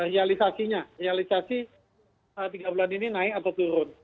realisasinya realisasi tiga bulan ini naik atau turun